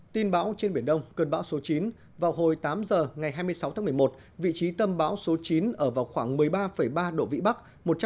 tin bão trên biển đông cơn bão số chín vào hồi tám giờ ngày hai mươi sáu tháng một mươi một vị trí tâm bão số chín ở vào khoảng một mươi ba ba độ vĩ bắc